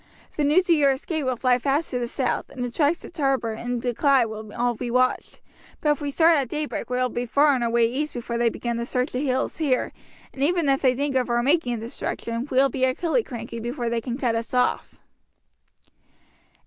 The news of your escape will fly fast to the south, and the tracks to Tarbert and the Clyde will all be watched; but if we start at daybreak we shall be far on our way east before they begin to search the hills here; and even if they think of our making in this direction, we shall be at Killiecrankie before they can cut us off."